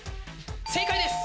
正解です。